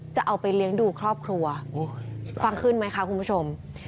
จะเอาไปเลี้ยงดูครอบครัวฟังขึ้นไหมคะคุณผู้ชม